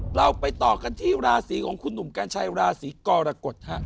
เห้ยเราไปต่อกันที่ราศรีของคุณหนุ่มก็ใช่ราศรีกอรกฎ